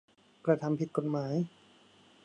กระทำผิดกฎหมาย